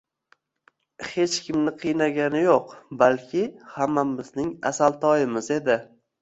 Hech kimni qiynagani yoʻq, balki hammamizning “Asaltoy”imiz edi…